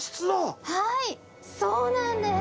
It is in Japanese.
はいそうなんです。